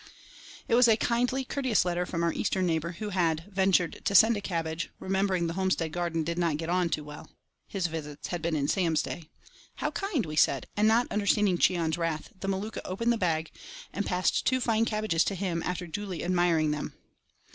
It was a kindly, courteous letter from our Eastern neighbour, who had "ventured to send a cabbage, remembering the homestead garden did not get on too well." (His visits had been in Sam's day). "How kind!" we said, and not understanding Cheon's wrath, the Maluka opened the bag, and passed two fine cabbages to him after duly admiring them.